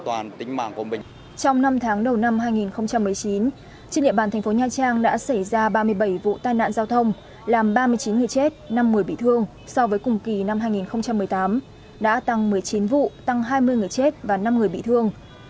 trong năm tháng đầu năm hai nghìn một mươi chín trên địa bàn thành phố nha trang đã xảy ra ba mươi bảy vụ tai nạn giao thông làm ba mươi chín người chết năm người bị thương so với cùng kỳ năm hai nghìn một mươi tám đã tăng một mươi chín vụ tăng hai mươi người chết và năm người bị thương